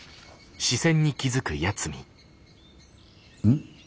ん？